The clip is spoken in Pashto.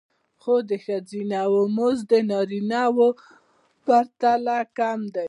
خو د ښځینه وو مزد د نارینه وو په پرتله کم دی